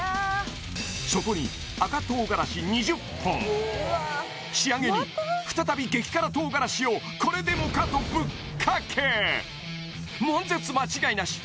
そこに仕上げに再び激辛唐辛子をこれでもかとぶっかけ悶絶間違いなし